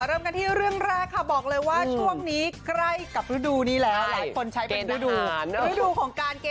เริ่มกันที่เรื่องแรกค่ะบอกเลยว่าช่วงนี้ใกล้กับฤดูนี้แหล่ะ